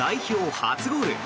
初ゴール。